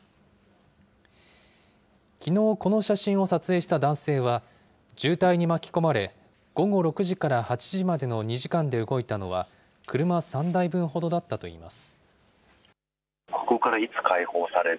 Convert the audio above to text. きのう、この写真を撮影した男性は、渋滞に巻き込まれ、午後６時から８時までの２時間で動いたのは、車３台分ほどだったといいます。